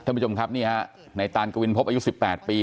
ท่านผู้ชมครับนี่ฮะในตานกวินพบอายุ๑๘ปี